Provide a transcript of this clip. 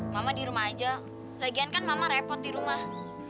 mama di rumah aja lagian kan mama repot di rumah